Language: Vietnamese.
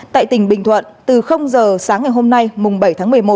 tại tỉnh bình thuận từ h sáng ngày hôm nay bảy tháng một mươi một